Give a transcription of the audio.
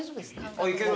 あっいける。